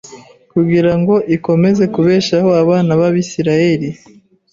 kugira ngo ikomeze kubeshaho abana b’Abisiraheli